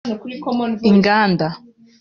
inganda